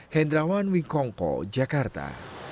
hendrawan winkongko jakarta